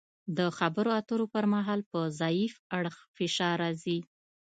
د خبرو اترو پر مهال په ضعیف اړخ فشار راځي